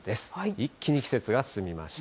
一気に季節が進みました。